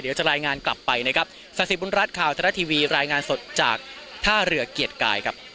เดี๋ยวจะรายงานกลับไปนะครับศักดิ์สิทบุญรัฐข่าวทะละทีวีรายงานสดจากท่าเรือเกียรติกายครับ